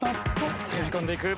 飛び込んでいく。